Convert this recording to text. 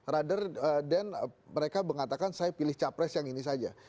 ruther den mereka mengatakan saya pilih capres yang ini saja